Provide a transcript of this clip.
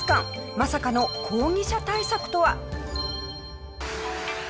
まさかの抗議者対策とは？